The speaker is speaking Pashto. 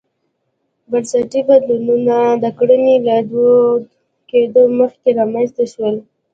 بنسټي بدلونونه د کرنې له دود کېدو مخکې رامنځته شول.